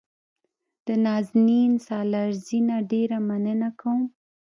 د نازنین سالارزي نه ډېره مننه کوم.